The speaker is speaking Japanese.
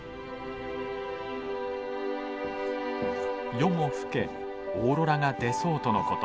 夜も更けオーロラが出そうとの事。